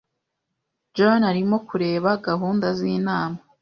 John arimo kureba gahunda zinama.